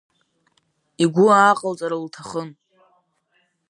Игәы ааҟалҵар лҭахын.